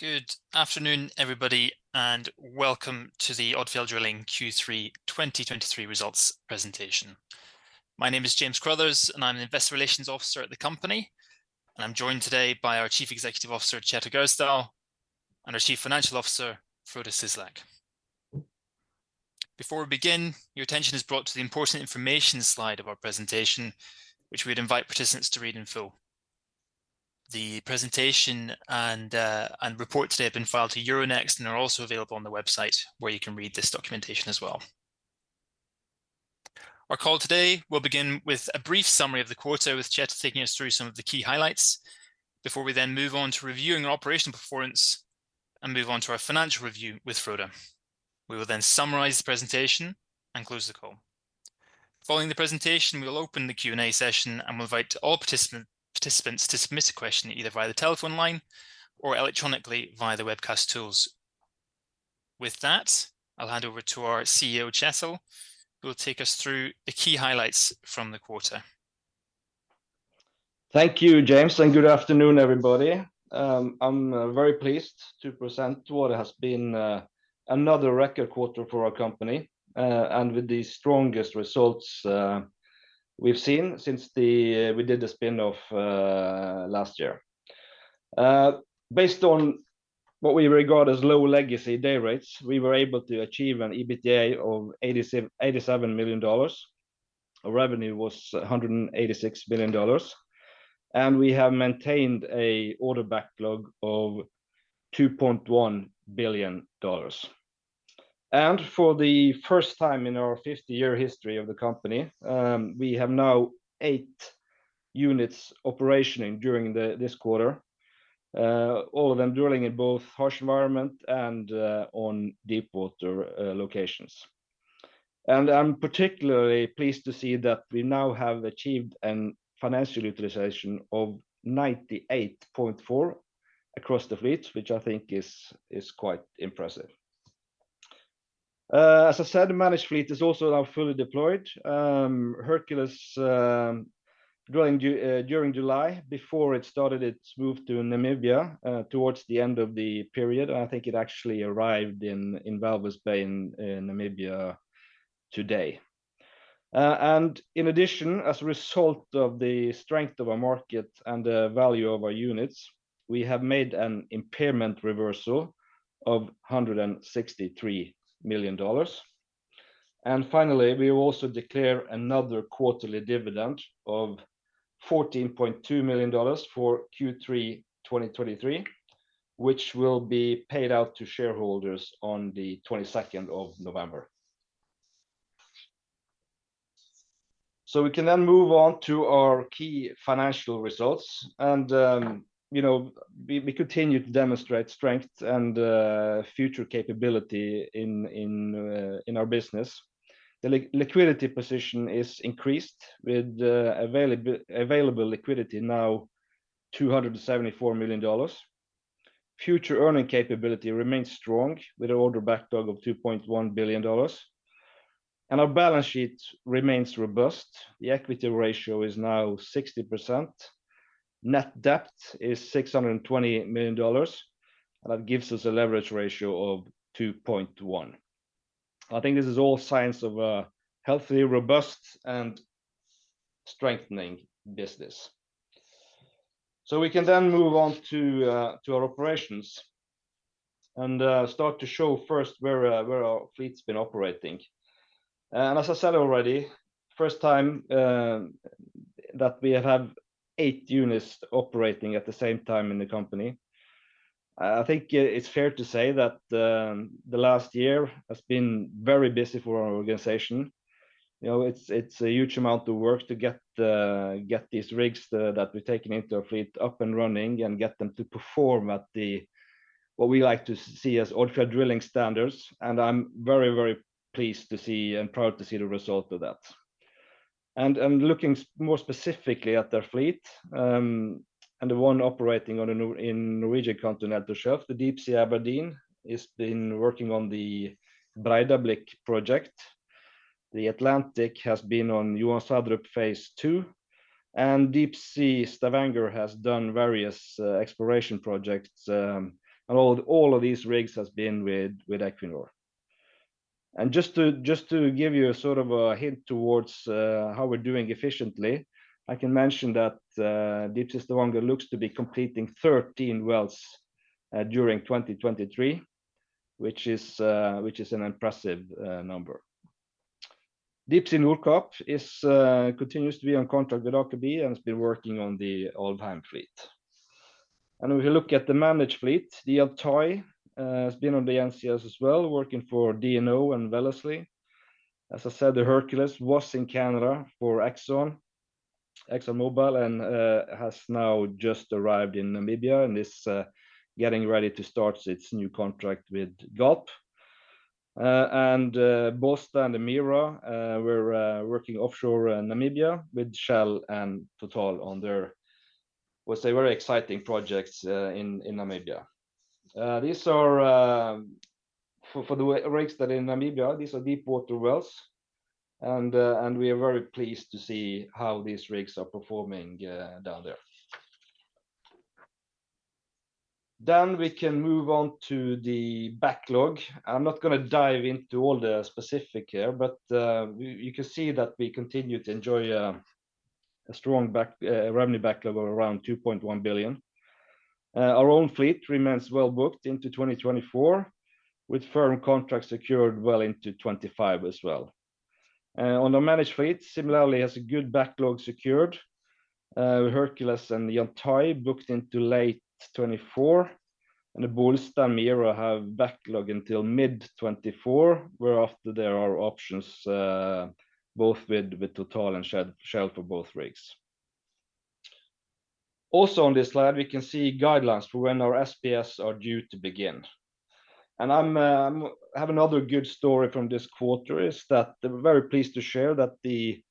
Good afternoon, everybody, and welcome to the Odfjell Drilling Q3 2023 Results Presentation. My name is James Crothers, and I'm an Investor Relations Officer at the company, and I'm joined today by our Chief Executive Officer, Kjetil Gjersdal, and our Chief Financial Officer, Frode Skage Syslak. Before we begin, your attention is brought to the important information slide of our presentation, which we'd invite participants to read in full. The presentation and report today have been filed to Euronext and are also available on the website, where you can read this documentation as well. Our call today will begin with a brief summary of the quarter, with Kjetil taking us through some of the key highlights before we then move on to reviewing operational performance and move on to our financial review with Frode. We will then summarize the presentation and close the call. Following the presentation, we will open the Q&A session and we invite all participants to submit a question either via the telephone line or electronically via the webcast tools. With that, I'll hand over to our CEO, Kjetil, who will take us through the key highlights from the quarter. Thank you, James, and good afternoon, everybody. I'm very pleased to present what has been another record quarter for our company, and with the strongest results we've seen since we did the spin-off last year. Based on what we regard as low legacy day rates, we were able to achieve an EBITDA of $87 million. Our revenue was $186 billion, and we have maintained an order backlog of $2.1 billion. For the first time in our 50-year history of the company, we have now eight units operating during this quarter, all of them drilling in both harsh environment and on deepwater locations. I'm particularly pleased to see that we now have achieved a financial utilization of 98.4% across the fleet, which I think is quite impressive. As I said, the managed fleet is also now fully deployed. Hercules drilling during July, before it started its move to Namibia, towards the end of the period, and I think it actually arrived in Walvis Bay in Namibia today. And in addition, as a result of the strength of our market and the value of our units, we have made an impairment reversal of $163 million. And finally, we will also declare another quarterly dividend of $14.2 million for Q3 2023, which will be paid out to shareholders on November 22nd. So we can then move on to our key financial results, and, you know, we continue to demonstrate strength and future capability in our business. The liquidity position is increased, with available liquidity now $274 million. Future earning capability remains strong, with an order backlog of $2.1 billion, and our balance sheet remains robust. The equity ratio is now 60%. Net debt is $620 million, and that gives us a leverage ratio of 2.1. I think this is all signs of a healthy, robust, and strengthening business. So we can then move on to our operations and start to show first where our fleet's been operating. As I said already, first time that we have had eight units operating at the same time in the company. I think it's fair to say that the last year has been very busy for our organization. You know, it's a huge amount of work to get these rigs that we've taken into our fleet up and running and get them to perform at the... what we like to see as Odfjell Drilling standards, and I'm very, very pleased to see and proud to see the result of that. And looking more specifically at the fleet, and the one operating on the NCS in Norwegian Continental Shelf, the Deepsea Aberdeen, has been working on the Breidablikk project. The Atlantic has been on Johan Sverdrup Phase II. Deepsea Stavanger has done various exploration projects, and all of these rigs have been with Equinor. Just to give you a sort of a hint towards how we're doing efficiently, I can mention that Deepsea Stavanger looks to be completing 13 wells during 2023, which is an impressive number. Deepsea Nordkapp continues to be on contract with Aker BP and has been working on the Alvheim field. If you look at the managed fleet, the Deepsea Yantai has been on the NCS as well, working for DNO and Wellesley. As I said, the Hercules was in Canada for ExxonMobil and has now just arrived in Namibia and is getting ready to start its new contract with Galp. Bollsta and the Mira were working offshore in Namibia with Shell and Total on their what's a very exciting projects in Namibia. These are for the rigs that are in Namibia, these are deepwater wells, and we are very pleased to see how these rigs are performing down there. Then we can move on to the backlog. I'm not gonna dive into all the specific here, but you can see that we continue to enjoy a strong backlog of around $2.1 billion. Our own fleet remains well booked into 2024, with firm contracts secured well into 2025 as well. On our managed fleet, similarly, has a good backlog secured. Hercules and the Yantai booked into late 2024, and the Bollsta and Mira have backlog until mid-2024, whereafter there are options both with Total and Shell for both rigs. Also on this slide, we can see guidelines for when our SPS are due to begin. I have another good story from this quarter, is that we're very pleased to share that the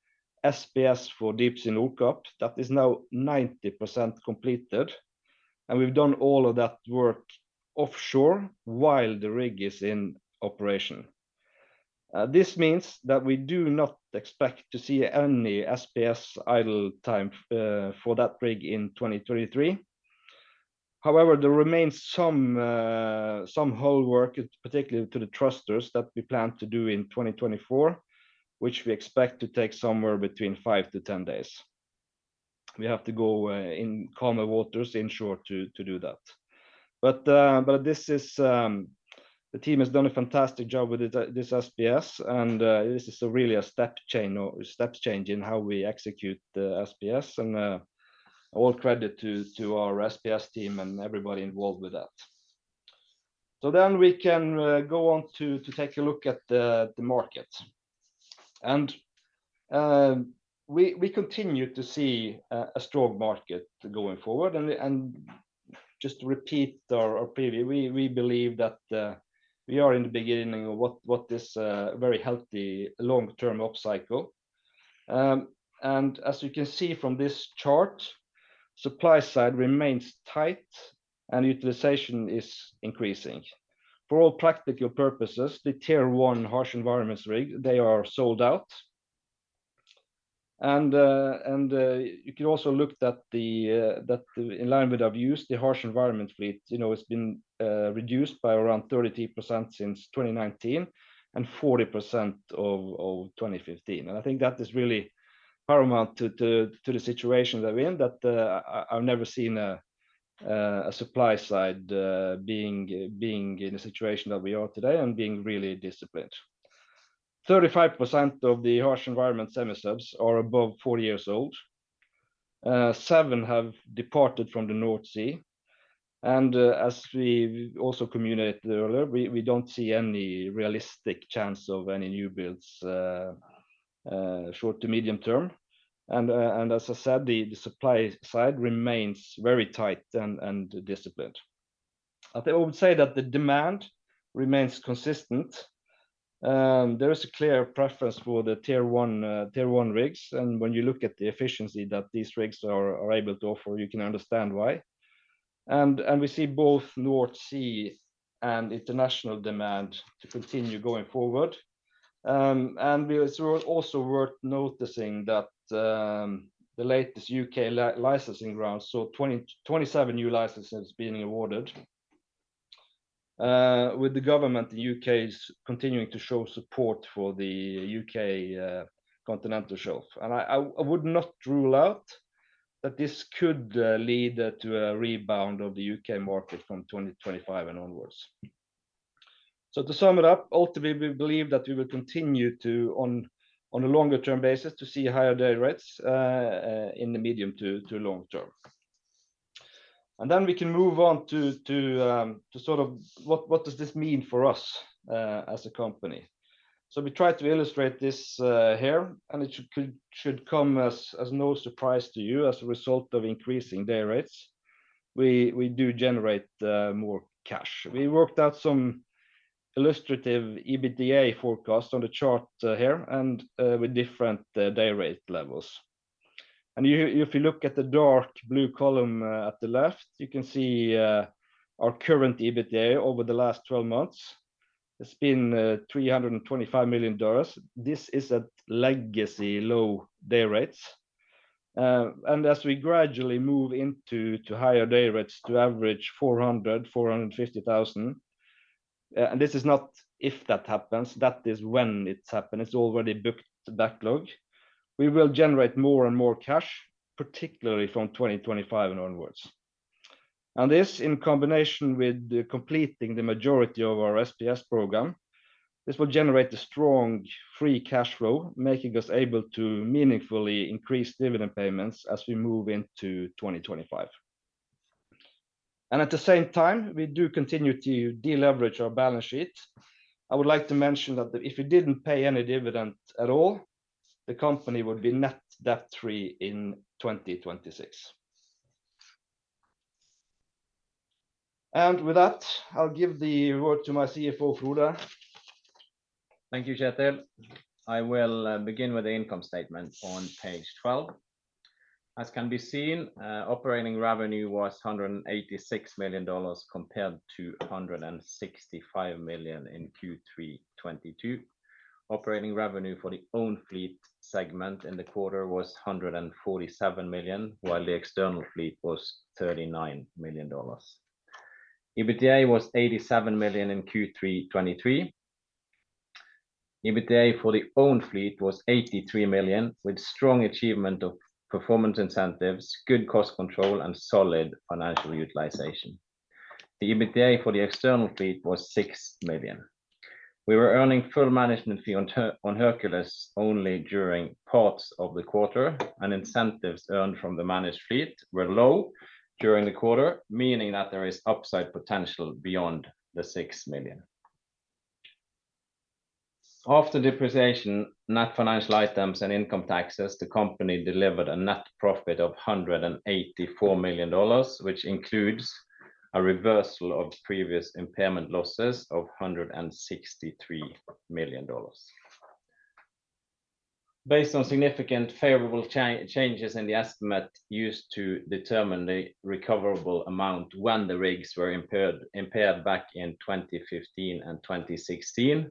SPS for Deepsea Nordkapp that is now 90% completed, and we've done all of that work offshore while the rig is in operation. This means that we do not expect to see any SPS idle time for that rig in 2023. However, there remains some hull work, particularly to the thrusters, that we plan to do in 2024, which we expect to take somewhere between five to 10 days. We have to go in calmer waters, in short, to do that. But this is, the team has done a fantastic job with this SPS, and this is really a step change or step change in how we execute the SPS, and all credit to our SPS team and everybody involved with that. So then we can go on to take a look at the market. And we continue to see a strong market going forward, and just to repeat our preview, we believe that we are in the beginning of what this very healthy long-term upcycle. And as you can see from this chart, supply side remains tight and utilization is increasing. For all practical purposes, the Tier one harsh environments rig, they are sold out. You can also look at that in line with our views. The harsh environment fleet, you know, has been reduced by around 30% since 2019, and 40% of 2015. I think that is really paramount to the situation that we're in. I've never seen a supply side being in a situation that we are today and being really disciplined. 35% of the harsh environment semi-subs are above 40 years old. Seven have departed from the North Sea, and as we also communicated earlier, we don't see any realistic chance of any new builds short to medium term. And as I said, the supply side remains very tight and disciplined. I think I would say that the demand remains consistent. There is a clear preference for the Tier one, Tier one rigs, and when you look at the efficiency that these rigs are able to offer, you can understand why. And we see both North Sea and international demand to continue going forward. And it is also worth noticing that the latest UK licensing rounds saw 2027 new licenses being awarded. With the government, the UK is continuing to show support for the UK Continental Shelf. And I would not rule out that this could lead to a rebound of the UK market from 2025 and onwards. So to sum it up, ultimately, we believe that we will continue to, on, on a longer-term basis, to see higher day rates in the medium to long term. And then we can move on to sort of what does this mean for us as a company? So we tried to illustrate this here, and it should come as no surprise to you, as a result of increasing day rates, we do generate more cash. We worked out some illustrative EBITDA forecast on the chart here, and with different day rate levels. And you, if you look at the dark blue column at the left, you can see our current EBITDA over the last 12 months. It's been $325 million. This is at legacy low day rates. And as we gradually move into higher day rates to average $400,000-450,000, and this is not if that happens, that is when it happens, it's already booked backlog, we will generate more and more cash, particularly from 2025 and onwards. And this, in combination with completing the majority of our SPS program, this will generate a strong free cash flow, making us able to meaningfully increase dividend payments as we move into 2025. And at the same time, we do continue to deleverage our balance sheet. I would like to mention that if we didn't pay any dividend at all, the company would be net debt free in 2026. And with that, I'll give the word to my CFO, Frode.... Thank you, Kjetil. I will begin with the income statement on page 12. As can be seen, operating revenue was $186 million, compared to $165 million in Q3 2022. Operating revenue for the own fleet segment in the quarter was $147 million, while the external fleet was $39 million. EBITDA was $87 million in Q3 2023. EBITDA for the own fleet was $83 million, with strong achievement of performance incentives, good cost control, and solid financial utilization. The EBITDA for the external fleet was $6 million. We were earning full management fee on Tur-- on Hercules only during parts of the quarter, and incentives earned from the managed fleet were low during the quarter, meaning that there is upside potential beyond the $6 million. After depreciation, net financial items, and income taxes, the company delivered a net profit of $184 million, which includes a reversal of previous impairment losses of $163 million. Based on significant favorable changes in the estimate used to determine the recoverable amount when the rigs were impaired back in 2015 and 2016,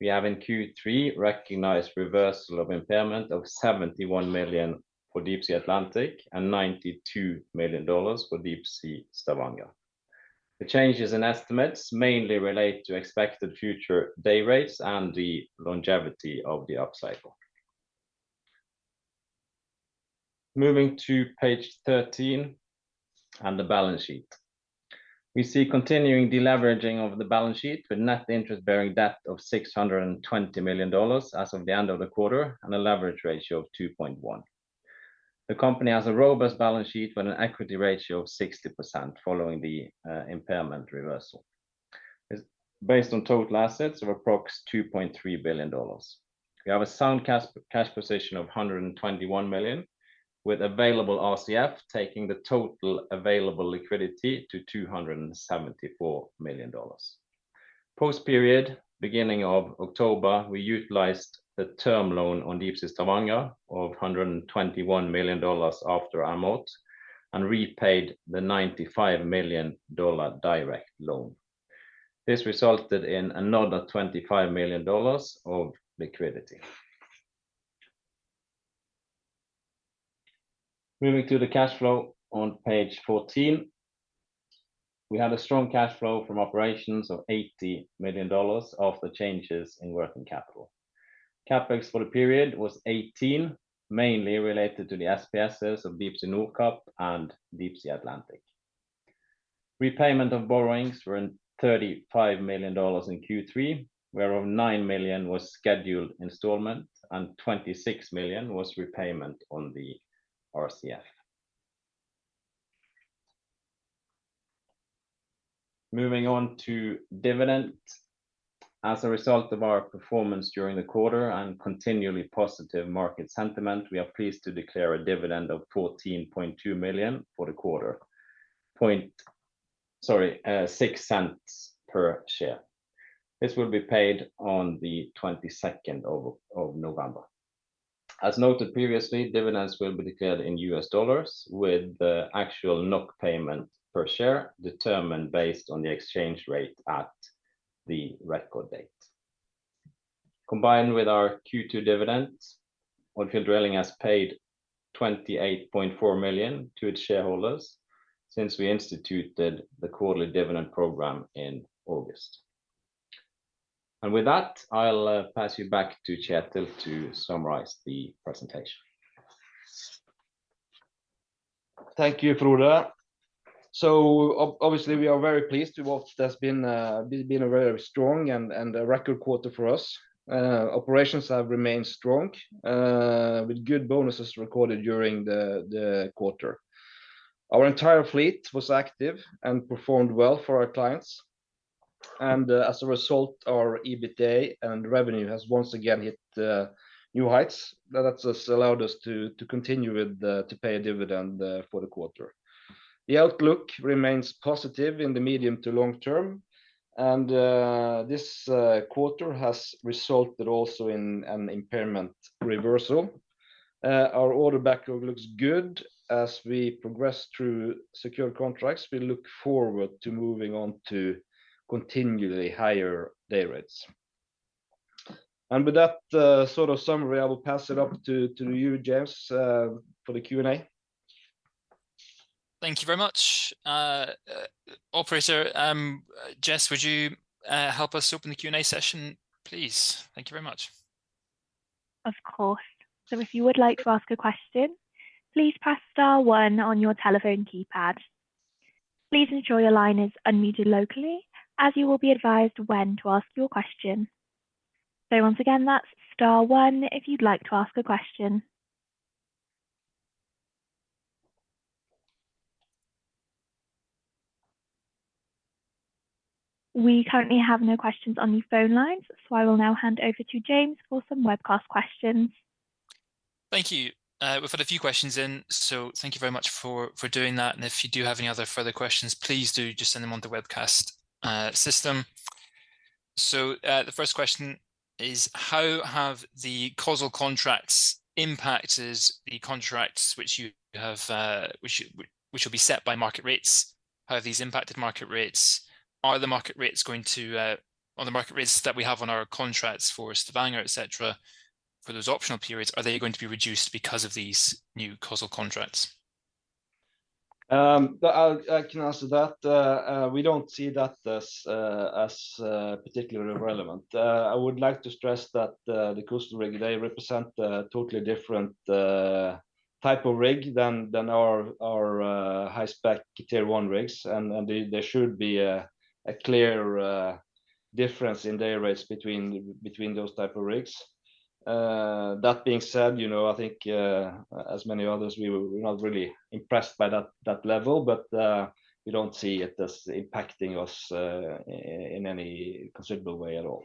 we have in Q3 recognized reversal of impairment of $71 million for Deepsea Atlantic and $92 million for Deepsea Stavanger. The changes in estimates mainly relate to expected future day rates and the longevity of the upcycle. Moving to page 13 and the balance sheet. We see continuing deleveraging of the balance sheet, with net interest-bearing debt of $620 million as of the end of the quarter, and a leverage ratio of 2.1. The company has a robust balance sheet with an equity ratio of 60%, following the impairment reversal. It's based on total assets of approximately $2.3 billion. We have a sound cash, cash position of $121 million, with available RCF, taking the total available liquidity to $274 million. Post period, beginning of October, we utilized the term loan on Deepsea Stavanger of $121 million after amort, and repaid the $95 million direct loan. This resulted in another $25 million of liquidity. Moving to the cash flow on page 14. We had a strong cash flow from operations of $80 million of the changes in working capital. CapEx for the period was $18 million, mainly related to the SPSs of Deepsea Nordkapp and Deepsea Atlantic. Repayment of borrowings were $35 million in Q3, whereof $9 million was scheduled installment and $26 million was repayment on the RCF. Moving on to dividend. As a result of our performance during the quarter and continually positive market sentiment, we are pleased to declare a dividend of $14.2 million for the quarter. $0.06 per share. This will be paid on November 22nd. As noted previously, dividends will be declared in US dollars, with the actual NOK payment per share determined based on the exchange rate at the record date. Combined with our Q2 dividends, Odfjell Drilling has paid $28.4 million to its shareholders since we instituted the quarterly dividend program in August. And with that, I'll pass you back to Kjetil to summarize the presentation. Thank you, Frode. So obviously, we are very pleased with what has been a very strong and a record quarter for us. Operations have remained strong with good bonuses recorded during the quarter. Our entire fleet was active and performed well for our clients, and as a result, our EBITDA and revenue has once again hit new heights that has allowed us to continue to pay a dividend for the quarter. The outlook remains positive in the medium to long term, and this quarter has resulted also in an impairment reversal. Our order backlog looks good as we progress through secure contracts. We look forward to moving on to continually higher day rates. And with that sort of summary, I will pass it up to you, James, for the Q&A. Thank you very much. Operator, Jess, would you help us open the Q&A session, please? Thank you very much. Of course. So if you would like to ask a question, please press star one on your telephone keypad. Please ensure your line is unmuted locally, as you will be advised when to ask your question. So once again, that's star one if you'd like to ask a question. We currently have no questions on the phone lines, so I will now hand over to James for some webcast questions.... Thank you. We've had a few questions in, so thank you very much for doing that, and if you do have any other further questions, please do just send them on the webcast system. So, the first question is: How have the call-off contracts impacted the contracts which you have, which will be set by market rates? How have these impacted market rates? Are the market rates going to, are the market rates that we have on our contracts for Stavanger, et cetera, for those optional periods, are they going to be reduced because of these new call-off contracts? I can answer that. We don't see that as particularly relevant. I would like to stress that the COSL rig, they represent a totally different type of rig than our high-spec Tier one rigs, and there should be a clear difference in day rates between those type of rigs. That being said, you know, I think as many others, we were not really impressed by that level, but we don't see it as impacting us in any considerable way at all.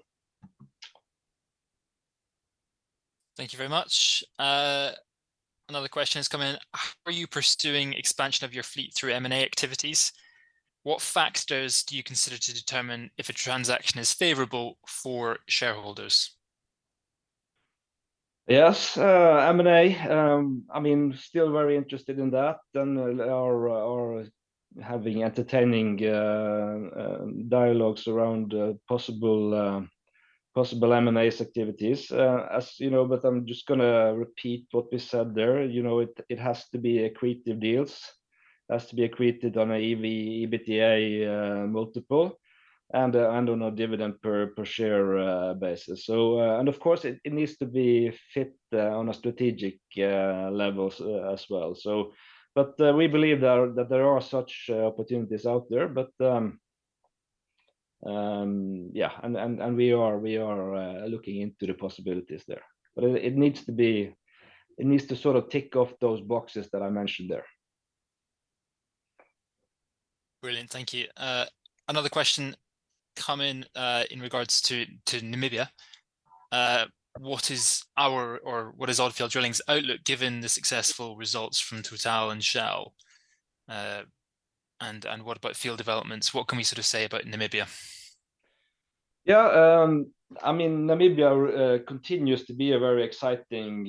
Thank you very much. Another question has come in: How are you pursuing expansion of your fleet through M&A activities? What factors do you consider to determine if a transaction is favorable for shareholders? Yes. M&A, I mean, still very interested in that and are having entertaining dialogues around possible M&As activities. As you know, but I'm just gonna repeat what we said there, you know, it has to be accretive deals. It has to be accreted on a EV, EBITDA multiple, and on a dividend per share basis. So... And of course, it needs to be fit on a strategic level as well. So but, we believe there are, that there are such opportunities out there, but, yeah, and we are looking into the possibilities there. But it needs to be... It needs to sort of tick off those boxes that I mentioned there. Brilliant. Thank you. Another question come in, in regards to, to Namibia. What is our or what is Odfjell Drilling's outlook, given the successful results from Total and Shell? And, and what about field developments? What can we sort of say about Namibia? Yeah, I mean, Namibia continues to be a very exciting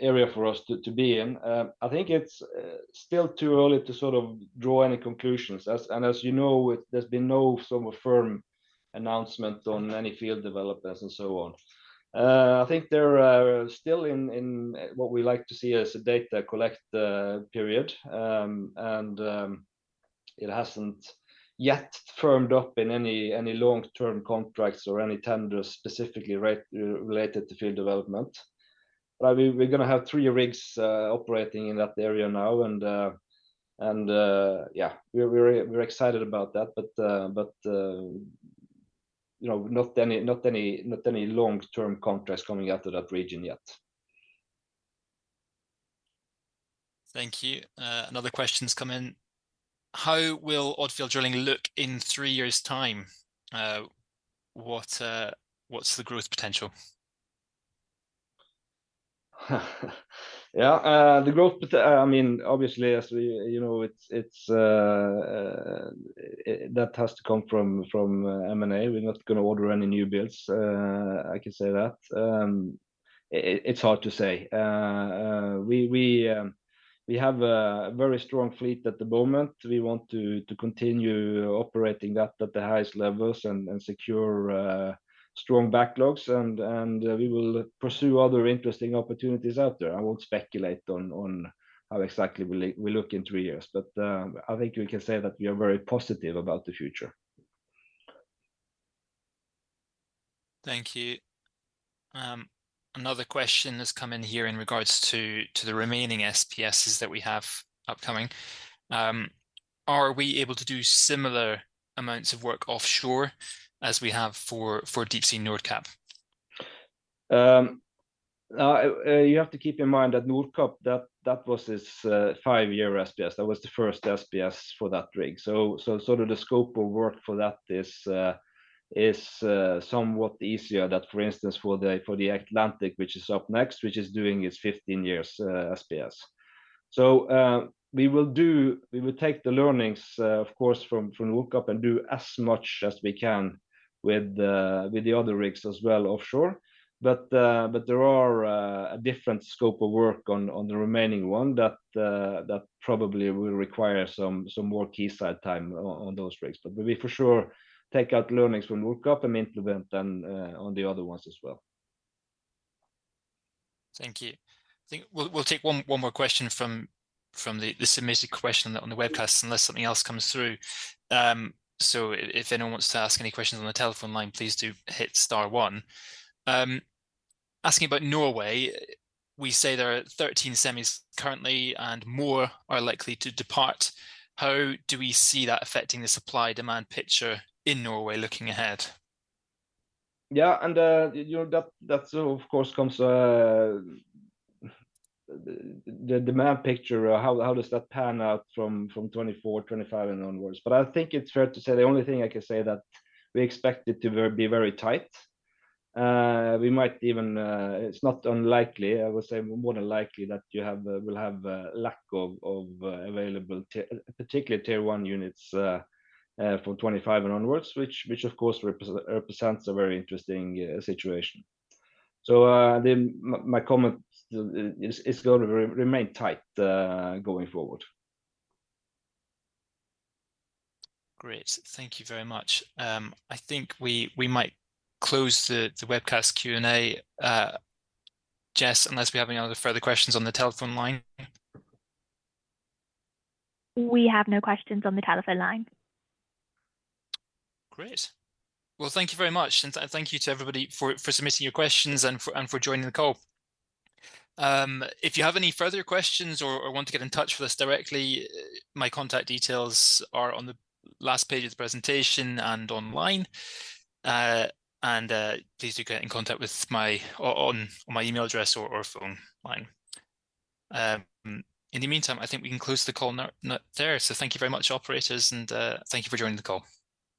area for us to be in. I think it's still too early to sort of draw any conclusions. And as you know, there's been no sort of firm announcement on any field developments and so on. I think they're still in what we like to see as a data collect period. And it hasn't yet firmed up in any long-term contracts or any tenders specifically related to field development. But we're gonna have three rigs operating in that area now, and yeah, we're excited about that, but you know, not any long-term contracts coming out of that region yet. Thank you. Another question's come in: How will Odfjell Drilling look in three years' time? What, what's the growth potential? Yeah, the growth pot... I mean, obviously, as we, you know, it's, it's, it, that has to come from, from M&A. We're not gonna order any new builds, I can say that. It's hard to say. We, we, we have a very strong fleet at the moment. We want to continue operating that at the highest levels and secure strong backlogs, and we will pursue other interesting opportunities out there. I won't speculate on how exactly we look in three years, but I think we can say that we are very positive about the future. Thank you. Another question has come in here in regards to, to the remaining SPS's that we have upcoming. Are we able to do similar amounts of work offshore as we have for, for Deepsea Nordkapp? You have to keep in mind that Nordkapp, that was its five-year SPS. That was the first SPS for that rig. So sort of the scope of work for that is somewhat easier than, for instance, for the Atlantic, which is up next, which is doing its 15-year SPS. So we will take the learnings, of course, from Nordkapp and do as much as we can with the other rigs as well offshore. But there are a different scope of work on the remaining one that probably will require some more quayside time on those rigs. But we for sure take out learnings from Nordkapp and implement them on the other ones as well. Thank you. I think we'll take one more question from the submitted question on the webcast, unless something else comes through. So if anyone wants to ask any questions on the telephone line, please do hit star one. Asking about Norway, we say there are 13 semis currently, and more are likely to depart. How do we see that affecting the supply-demand picture in Norway looking ahead? Yeah, and, you know, that, that of course, comes, the, the demand picture, how, how does that pan out from 2024, 2025, and onwards? But I think it's fair to say, the only thing I can say that we expect it to be very tight. We might even, it's not unlikely, I would say more than likely, that you will have a lack of available particular Tier one units from 2025 and onwards, which of course represents a very interesting situation. So, my comment is going to remain tight going forward. Great. Thank you very much. I think we might close the webcast Q&A, Jess, unless we have any other further questions on the telephone line? We have no questions on the telephone line. Great. Well, thank you very much, and thank you to everybody for submitting your questions and for joining the call. If you have any further questions or want to get in touch with us directly, my contact details are on the last page of the presentation and online. And please do get in contact with me on my email address or phone line. In the meantime, I think we can close the call there. So thank you very much, operators, and thank you for joining the call.